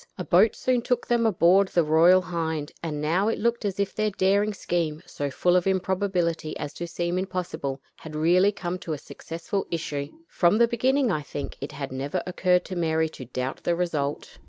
A boat soon took them aboard the Royal Hind, and now it looked as if their daring scheme, so full of improbability as to seem impossible, had really come to a successful issue. From the beginning, I think, it had never occurred to Mary to doubt the result.